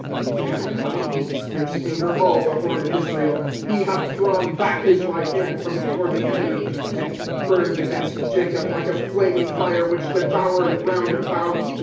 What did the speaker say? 25:002:003 He hath cut off in his fierce anger all the horn of Israel: he hath drawn back his right hand from before the enemy, and he burned against Jacob like a flaming fire, which devoureth round about.